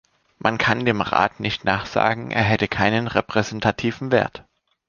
Man kann dem Rat nicht nachsagen, er hätte keinen repräsentativen Wert.